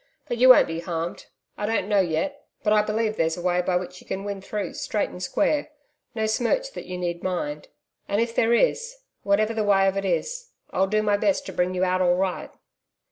But you won't be harmed.... I don't know yet, but I believe there's a way by which you can win through straight and square no smirch that you need mind And if there is whatever the way of it is, I'll do my best to bring you out all right.'